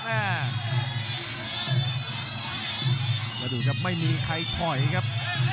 แล้วดูครับไม่มีใครถอยครับ